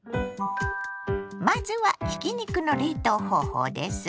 まずはひき肉の冷凍方法です。